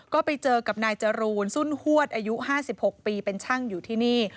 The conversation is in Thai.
ก็ไปเจอกับนายจรูนสุ่นฮวดอายุ๕๖ปีเป็นช่างอยู่ที่นี่